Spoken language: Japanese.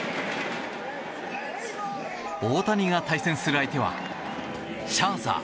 大谷が対戦する相手はシャーザー。